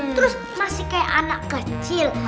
terus masih kayak anak kecil